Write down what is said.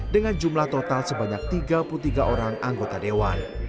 dengan jumlah total sebanyak tiga puluh tiga orang anggota dewan